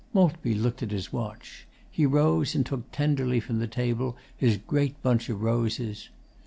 Maltby looked at his watch. He rose and took tenderly from the table his great bunch of roses.